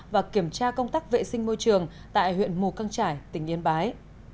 và kiểm tra công tác vệ sinh môi trường tại huyện mù căng trải tỉnh yên bái